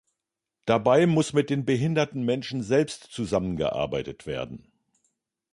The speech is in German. Dabei muss mit den behinderten Menschen selbst zusammengearbeitet werden.